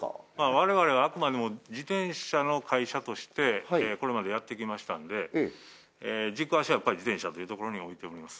我々はあくまでも自転車の会社としてこれまでやってきましたんで軸足はやっぱり自転車というところに置いてます